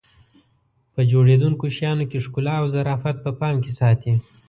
په جوړېدونکو شیانو کې ښکلا او ظرافت په پام کې ساتي.